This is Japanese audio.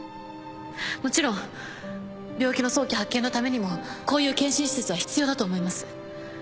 もちろん病気の早期発見のためにもこういう健診施設は必要だと思います。